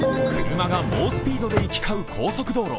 車が猛スピードで行き交う高速道路。